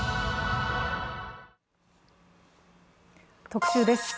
特集です。